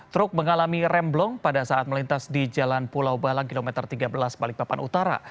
truk mengalami remblong pada saat melintas di jalan pulau balang kilometer tiga belas balikpapan utara